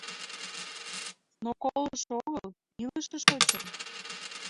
Но колышо огыл, илыше шочын.